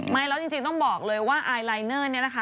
ไม่แล้วจริงต้องบอกเลยว่าไอลายเนอร์เนี่ยนะคะ